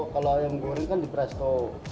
kalau yang goreng kan di presto